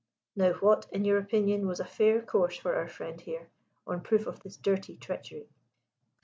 Now what, in your opinion, was a fair course for our friend here, on proof of this dirty treachery?"